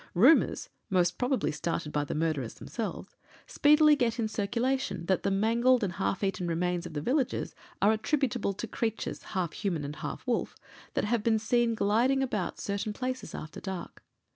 Rumours (most probably started by the murderers themselves) speedily get in circulation that the mangled and half eaten remains of the villagers are attributable to creatures, half human and half wolf, that have been seen gliding about certain places after dark.